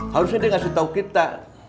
harusnya dia ngasih tau kita